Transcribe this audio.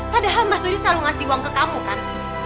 padahal mas dodi selalu ngasih uang ke kamu kan